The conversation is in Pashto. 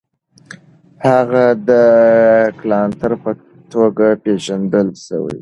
هغه د کلانتر په توګه پېژندل سوی و.